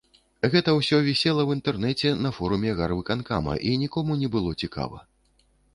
Гэта ўсё вісела ў інтэрнэце на форуме гарвыканкама, і нікому не было цікава.